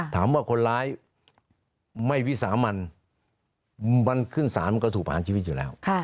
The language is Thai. ถามว่าคนร้ายไม่วิสามันมันขึ้นสารมันก็ถูกประหารชีวิตอยู่แล้ว